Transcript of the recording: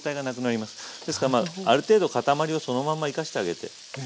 ですからまあある程度塊をそのまま生かしてあげて。